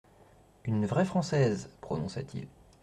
«Une vraie Française !» prononça-t-il.